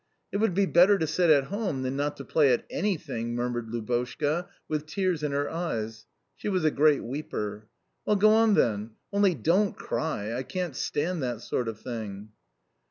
"It would be better to sit at home than not to play at ANYTHING," murmured Lubotshka, with tears in her eyes. She was a great weeper. "Well, go on, then. Only, DON'T cry; I can't stand that sort of thing."